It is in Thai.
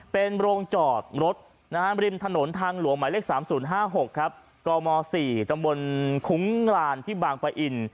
เป็นโรงจอดรถริมถนนทางหลวงหมายเลข๓๐๕๖ครับกม๔ตำบลคุ้งลานที่บางปะอิน